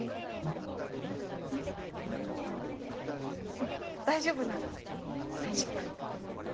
うん大丈夫なら大丈夫。